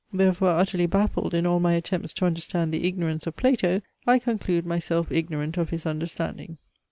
Therefore, utterly baffled in all my attempts to understand the ignorance of Plato, I conclude myself ignorant of his understanding.